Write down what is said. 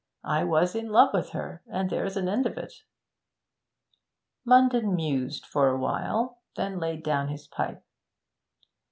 I was in love with her, and there's an end of it!' Munden mused for a while, then laid down his pipe.